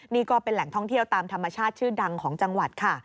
นี่ก็เป็นแหล่งท่องเที่ยวตามธรรมชาติชื่อดังของจังหวัดค่ะ